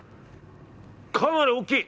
かなり大きい！